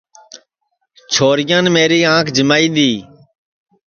چھورِیان میری آنٚکھ جِمائی دؔی